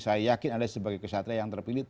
saya yakin anda sebagai kesatria yang terpilih